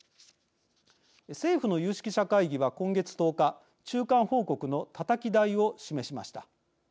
政府の有識者会議は今月１０日中間報告のたたき台を示しました。